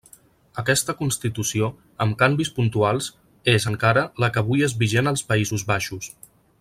Aquesta Constitució, amb canvis puntuals, és, encara, la que avui és vigent als Països Baixos.